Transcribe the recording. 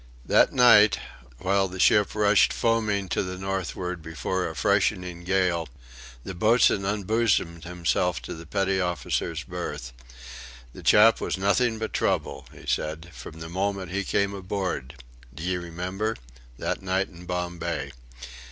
That night, while the ship rushed foaming to the Northward before a freshening gale, the boatswain unbosomed himself to the petty officers' berth: "The chap was nothing but trouble," he said, "from the moment he came aboard d'ye remember that night in Bombay?